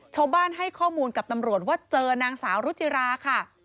ชาวบ้านให้ข้อมูลกับตำรวจว่าเจอนางสาวรุจิราค่ะ